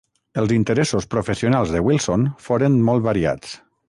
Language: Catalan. Els interessos professionals de Wilson foren molt variats.